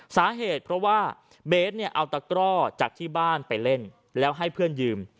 สาเหตุเพราะว่าเบสเนี่ยเอาตะกร่อจากที่บ้านไปเล่นแล้วให้เพื่อนยืม